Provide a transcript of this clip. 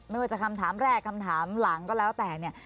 ไม่ว่าจะคำถามแรกคำถามหลังก็แล้วแต่เนี่ย